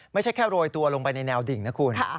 ไม่ใช่แค่โรยตัวลงไปในแนวดิ่งนะคุณ